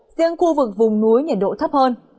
riêng khu vực vùng núi nhiệt độ thấp hơn